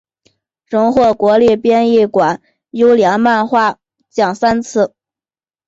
荣获国立编译馆优良漫画奖三次。